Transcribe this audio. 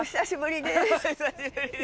お久しぶりです。